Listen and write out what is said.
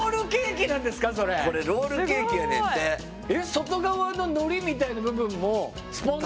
外側ののりみたいな部分もスポンジ。